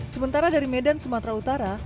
sementara dari medan sumatera utara